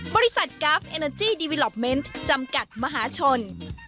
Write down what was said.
กราฟเอเนอร์จี้ดีวิลอปเมนต์จำกัดมหาชน